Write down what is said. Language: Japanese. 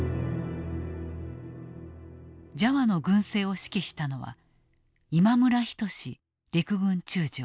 ジャワの軍政を指揮したのは今村均陸軍中将。